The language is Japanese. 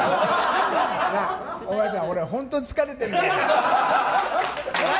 なあ、お前さ、俺、本当に疲れてんだよ。